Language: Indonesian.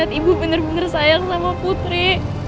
saya lihat ibu bener bener sayang sama putri